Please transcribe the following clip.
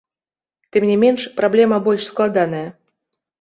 Тым не менш, праблема больш складаная.